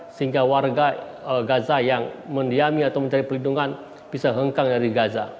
sehingga warga gaza yang mendiami atau mencari perlindungan bisa hengkang dari gaza